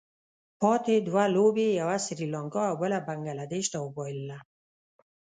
پاتې دوه لوبې یې یوه سري لانکا او بله بنګله دېش ته وبايلله.